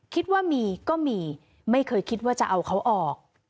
คิดว่ามีก็มีไม่เคยคิดว่าจะเอาเขาออก